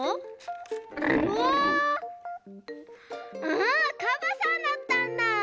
あカバさんだったんだ。